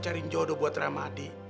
cari jodoh buat ramadi